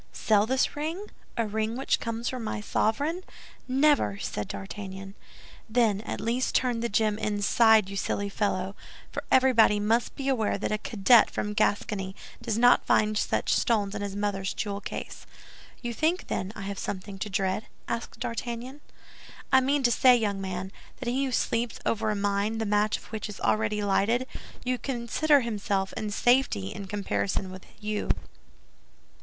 "Sell this ring, a ring which comes from my sovereign? Never!" said D'Artagnan. "Then, at least turn the gem inside, you silly fellow; for everybody must be aware that a cadet from Gascony does not find such stones in his mother's jewel case." "You think, then, I have something to dread?" asked D'Artagnan. "I mean to say, young man, that he who sleeps over a mine the match of which is already lighted, may consider himself in safety in comparison with you."